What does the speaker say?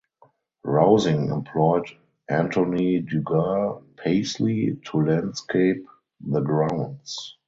Rausing employed Anthony du Gard Pasley to landscape the grounds.